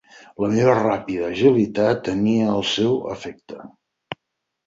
La meva ràpida agilitat tenia el seu efecte.